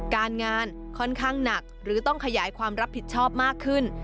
การงานค่อนข้างหนักหรือต้องขยายความรับผิดชอบมากขึ้น